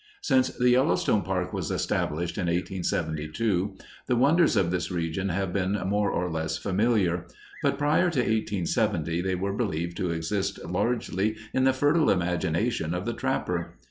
Since the Yellowstone Park was established, in 1872, the wonders of this region have been more or less familiar. But prior to 1870 they were believed to exist largely in the fertile imagination of the trapper.